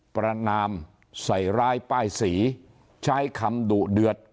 ประนามใส่ร้ายป้ายสีใช้คำดุเดือด